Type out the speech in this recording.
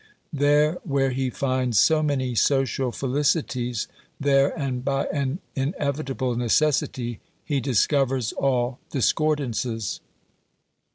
There where he finds so many social felicities, there, and by an inevitable neces sity, he discovers all discordances.